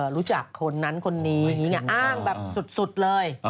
รู้จักคนนั้นคนนี้อ้างแบบสุดเลย